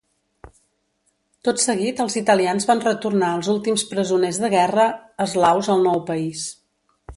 Tot seguit els italians van retornar els últims presoners de guerra eslaus al nou país.